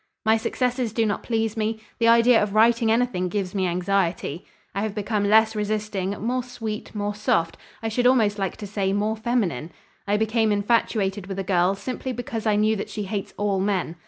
My successes do not please me; the idea of writing anything gives me anxiety. I have become less resisting, more sweet, more soft, I should almost like to say, more feminine. I became infatuated with a girl, simply because I knew that she hates all men.